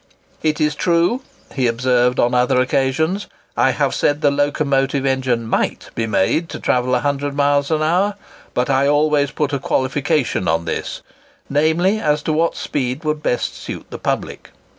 "It is true," he observed on other occasions, "I have said the locomotive engine might be made to travel 100 miles an hour; but I always put a qualification on this, namely, as to what speed would best suit the public.